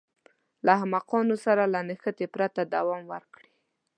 له احمقانو سره له نښتې پرته دوام ورکړي.